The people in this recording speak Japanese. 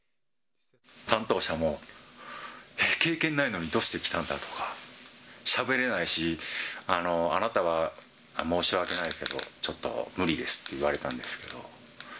担当者も、経験ないのにどうして来たんだ？とか、しゃべれないし、あなたは申し訳ないけど、ちょっと無理ですって言われたんですけど。